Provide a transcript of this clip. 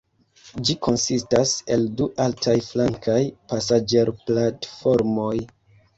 Ĝi konsistas el du altaj flankaj pasaĝerplatformoj.